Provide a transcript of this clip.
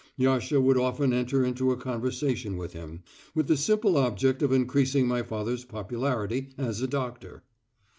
Yasha would often enter into a conversation with him, with the simple object of increasing my father's popularity as a doctor.